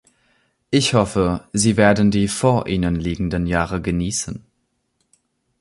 Ich hoffe, sie werden die vor ihnen liegenden Jahre genießen.